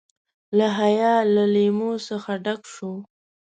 له حیا له لیمو څخه کډه شو.